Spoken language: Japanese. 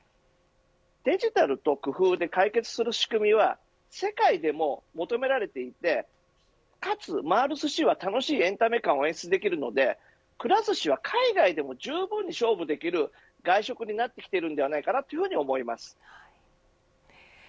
デジタルと工夫で解決する仕組みは世界でも求められていてかつ回るすしは楽しいエンタメ感を演出できるのでくら寿司は海外でも、じゅうぶん勝負できる外食になってきているのではないかと思います。